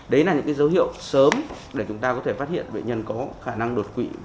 đấy là những dấu hiệu sớm để chúng ta có thể phát hiện bệnh nhân có khả năng đột quỵ